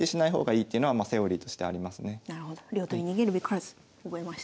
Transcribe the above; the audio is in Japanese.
「両取り逃げるべからず」覚えました。